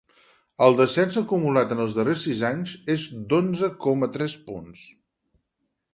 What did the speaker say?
El descens acumulat en els darrers sis anys és d’onze coma tres punts.